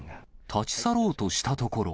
立ち去ろうとしたところ。